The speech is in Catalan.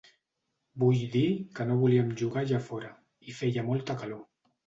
Vull dir que no volíem jugar allà a fora, hi feia molta calor.